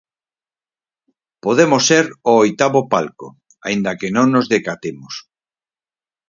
Podemos ser o oitavo palco, aínda que non nos decatemos.